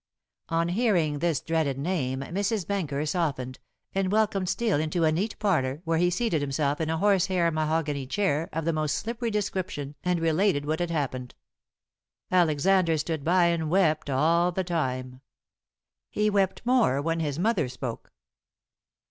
On hearing this dreaded name Mrs. Benker softened, and welcomed Steel into a neat parlor, where he seated himself in a horsehair mahogany chair of the most slippery description and related what had happened. Alexander stood by and wept all the time. He wept more when his mother spoke.